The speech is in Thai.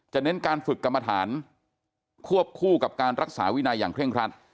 เน้นการฝึกกรรมฐานควบคู่กับการรักษาวินัยอย่างเร่งครัด